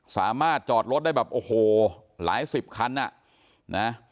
สามารถจอดรถได้แบบโอ้โหหลายสิบคันอ่ะนะ